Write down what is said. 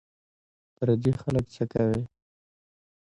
پردي خلک څه کوې